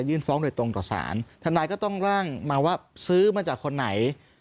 ฟ้องโดยตรงต่อสารทนายก็ต้องร่างมาว่าซื้อมาจากคนไหน